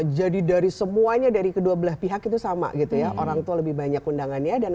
jadi dari semuanya dari kedua belah pihak itu sama gitu ya orang tua lebih banyak undangannya dan